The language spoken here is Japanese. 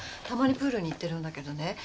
たまにプールに行ってるんだけどね。